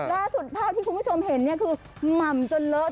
ล่าสุดภาพที่คุณผู้ชมเห็นเนี่ยคือหม่ำจนเลิศ